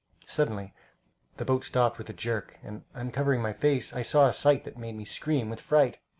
Suddenly the boat stopped with a jerk, and uncovering my face, I saw a sight that made me scream with fright.